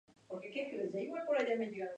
Calentadores de cama